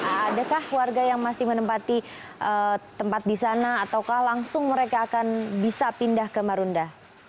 adakah warga yang masih menempati tempat di sana ataukah langsung mereka akan bisa pindah ke marunda